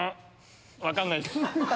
分かんないっす。